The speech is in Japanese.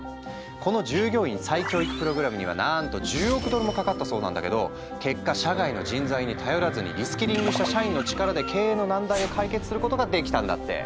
この従業員再教育プログラムにはなんと１０億ドルもかかったそうなんだけど結果社外の人材に頼らずにリスキリングした社員の力で経営の難題を解決することができたんだって。